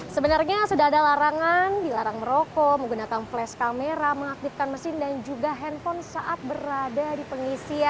sebenarnya sudah ada larangan dilarang merokok menggunakan flash kamera mengaktifkan mesin dan juga handphone saat berada di pengisian